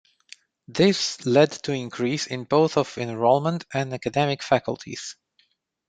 This led to increase in both of enrollment and academic faculties.